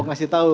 oh kasih tahu